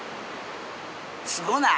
すごない？